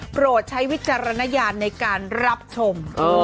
โปรดใช้วิจารณญาณในการรับชม